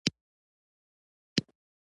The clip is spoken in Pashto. ایا د ورځې ډوډۍ خورئ؟